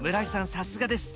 さすがです。